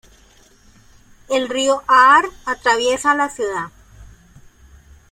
El río Aar atraviesa la ciudad.